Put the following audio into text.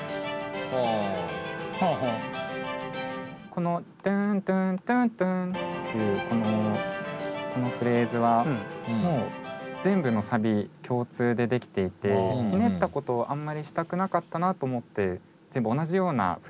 このトゥントゥントゥントゥンっていうこのフレーズはもう全部のサビ共通で出来ていてひねったことをあんまりしたくなかったなと思って全部同じようなフレーズにしてました。